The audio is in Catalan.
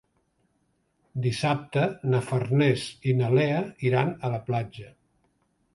Dissabte na Farners i na Lea iran a la platja.